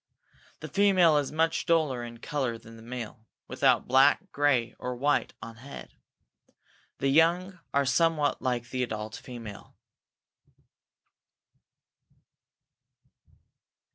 The female is much duller in color than the male, without black, gray, or white on head. The young are somewhat like the adult female.